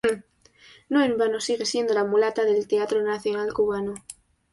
No en vano sigue siendo la mulata del teatro nacional cubano.